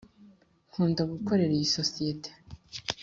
nkunda gukorera iyi sosiyete.